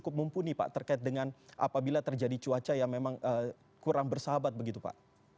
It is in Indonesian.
cukup mumpuni pak terkait dengan apabila terjadi cuaca yang memang kurang bersahabat begitu pak